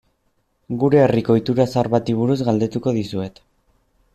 Gure herriko ohitura zahar bati buruz galdetuko dizuet.